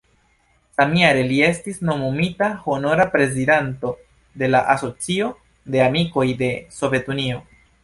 Samjare li estis nomumita honora prezidanto de la Asocio de Amikoj de Sovetunio.